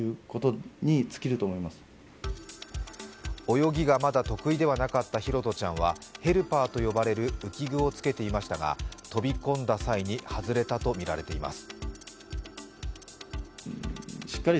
泳ぎがまだ得意ではなかった拓杜ちゃんはヘルパーと呼ばれる浮き具をつけていましたが、飛び込んだ際に外れたとみられています。